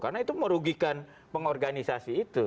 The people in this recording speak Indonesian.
karena itu merugikan pengorganisasi itu